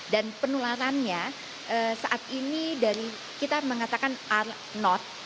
dan penularannya saat ini dari kita mengatakan are not